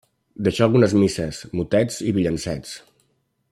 Deixà algunes misses, motets i villancets.